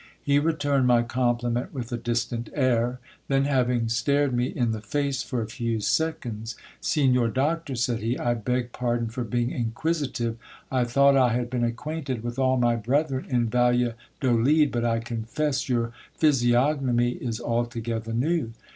He returned my compliment with a distant air; then, having stared me in the face for a few seconds — Signor Doctor, said he, I beg pardon 5° GIL BLAS. for being inquisitive, I thought I had been acquainted with all my brethren in Valladolid, but I confess your physiognomy is altogether new.